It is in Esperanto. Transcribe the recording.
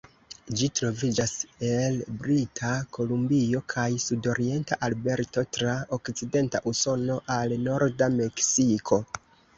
Ĝi troviĝas el Brita Kolumbio kaj sudorienta Alberto, tra okcidenta Usono al norda Meksiko.